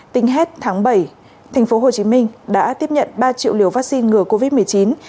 tính hết tháng bảy tp hcm đã tiếp nhận ba triệu liều vaccine ngừa covid một mươi chín